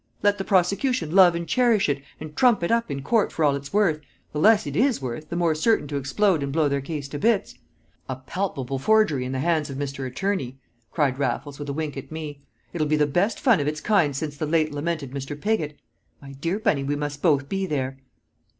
Let the prosecution love and cherish it, and trump it up in court for all it's worth; the less it is worth, the more certain to explode and blow their case to bits. A palpable forgery in the hands of Mr. Attorney!" cried Raffles, with a wink at me. "It'll be the best fun of its kind since the late lamented Mr. Pigott; my dear Bunny, we must both be there."